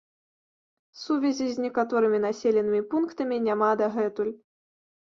Сувязі з некаторымі населенымі пунктамі няма дагэтуль.